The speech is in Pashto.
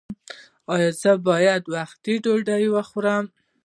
ایا زه باید په وخت ډوډۍ وخورم؟